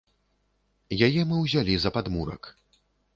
Яе мы ўзялі за падмурак.